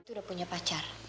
itu udah punya pacar